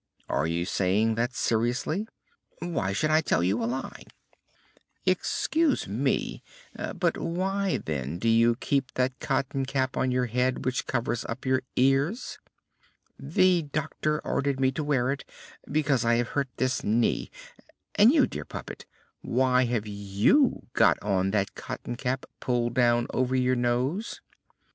"Are you saying that seriously?" "Why should I tell you a lie?" "Excuse me; but why, then, do you keep that cotton cap on your head which covers up your ears?" "The doctor ordered me to wear it because I have hurt this knee. And you, dear puppet, why have you got on that cotton cap pulled down over your nose?"